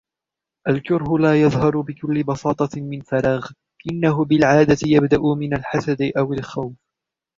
الكره لا يظهر بكل بساطة من فراغ. إنه بالعادة يبدأ من الحسد أو الخوف.